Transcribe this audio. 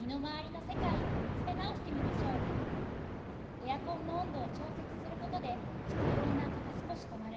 エアコンの温度を調節することで地球温暖化が少し止まる。